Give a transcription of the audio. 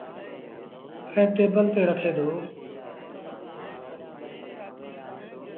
ائيٚݩ ٽيبل تي رکي دو۔